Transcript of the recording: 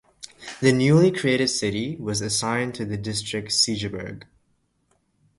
The newly created city was assigned to the district Segeberg.